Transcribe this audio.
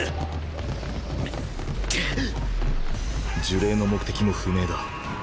呪霊の目的も不明だ。